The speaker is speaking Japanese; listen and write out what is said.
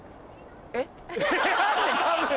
えっ？